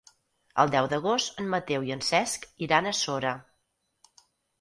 El deu d'agost en Mateu i en Cesc iran a Sora.